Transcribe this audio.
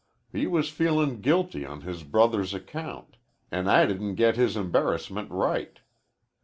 He was feelin' guilty on his brother's account, an' I didn't get his embarrassment right.